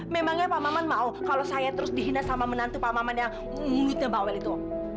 memangnya pak maman mau kalau saya terus dihina sama menantu pak maman yang mulutnya mbak will itu